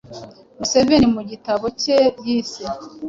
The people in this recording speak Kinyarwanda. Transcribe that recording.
Museveni mu gitabo cye yise